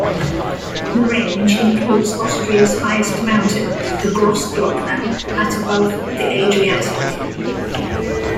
The range includes Austria's highest mountain, the Grossglockner at above the Adriatic.